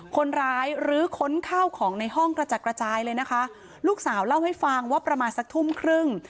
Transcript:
คนร้ายรื้อค้นข้าวของในห้องกระจัดกระจายเลยนะคะลูกสาวเล่าให้ฟังว่าประมาณสักทุ่มครึ่ง